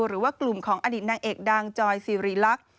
หรือว่ากลุ่มของอดีตนางเอกดังจอยสิริลักษณ์